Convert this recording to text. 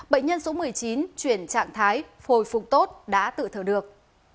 bệnh nhân số một mươi chín chuyển trạng thái hồi phục tốt đã tự thở được